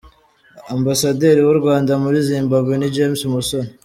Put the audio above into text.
Ambasaderi w’u Rwanda muri Zimbabwe ni James Musoni